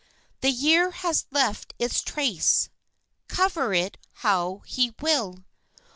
The year has left its trace (Cover it how he will!)